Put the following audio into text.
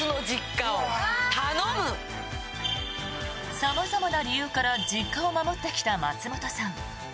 様々な理由から実家を守ってきた松本さん。